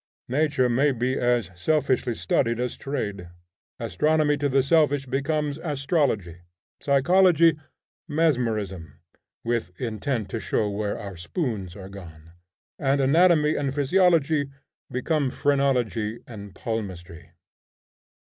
Nature may be as selfishly studied as trade. Astronomy to the selfish becomes astrology; psychology, mesmerism (with intent to show where our spoons are gone); and anatomy and physiology become phrenology and palmistry.